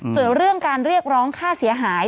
ส่วนเรื่องการเรียกร้องค่าเสียหาย